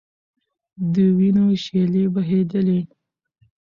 د وینو شېلې بهېدلې.